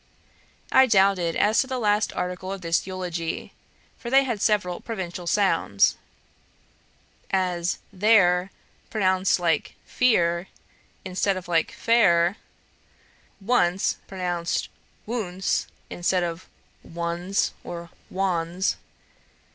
I doubted as to the last article of this eulogy: for they had several provincial sounds; as there, pronounced like fear, instead of like fair; once pronounced woonse, instead of wunse, or wonse.